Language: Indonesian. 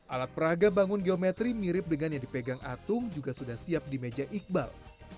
alat peraga bangun geometri mirip dengan yang dipegang atung juga sudah siap di meja iqbal